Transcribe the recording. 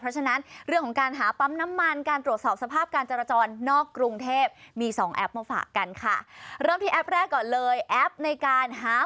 เพราะฉะนั้นตอนนี้โซนที่จะไปติด